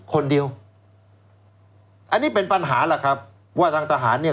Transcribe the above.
คนเดียวอันนี้เป็นปัญหาล่ะครับว่าทางทหารเนี่ย